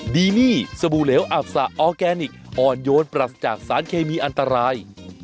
ดีนี่สบู่เหลวอับสะออร์แกนิคอ่อนโยนปรัสจากสารเคมีอันตราย